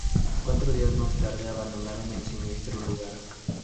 Cuatro días más tarde abandonaron el siniestro lugar.